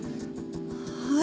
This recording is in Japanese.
はい。